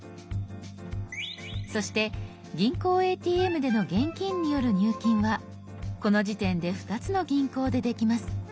そして「銀行ＡＴＭ」での現金による入金はこの時点で２つの銀行でできます。